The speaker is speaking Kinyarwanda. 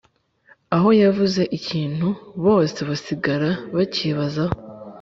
Aho yavuze ikintu bose basigaraga bakibazaho